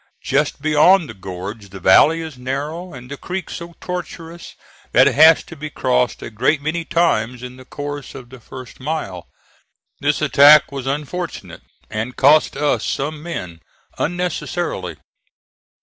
Just beyond the gorge the valley is narrow, and the creek so tortuous that it has to be crossed a great many times in the course of the first mile. This attack was unfortunate, and cost us some men unnecessarily.